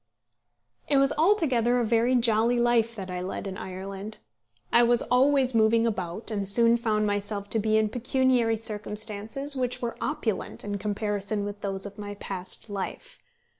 It was altogether a very jolly life that I led in Ireland. I was always moving about, and soon found myself to be in pecuniary circumstances which were opulent in comparison with those of my past life.